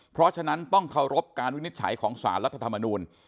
เพราะฉะนั้นต้องเคารพการวินิจฉัยของสารรัฐธรรมนูล